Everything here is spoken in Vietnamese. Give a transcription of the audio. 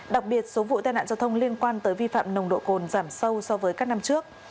đặc biệt số vụ tai nạn giao thông liên quan tới vi phạm nồng độ cồn giảm sâu so với các năm trước